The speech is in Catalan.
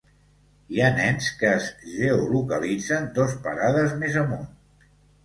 Hi ha nens que es geolocalitzen dos parades més amunt.